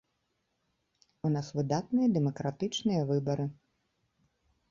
У нас выдатныя дэмакратычныя выбары.